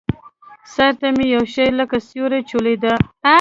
سر ته مې يو شى لکه سيورى چورلېده.